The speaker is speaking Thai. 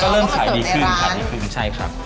เริ่มขายดีขึ้นขายดีขึ้นใช่ครับ